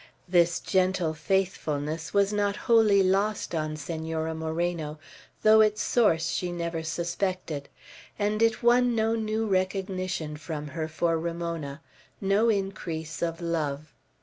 This gentle faithfulness was not wholly lost on Senora Moreno, though its source she never suspected; and it won no new recognition from her for Ramona, no increase of love.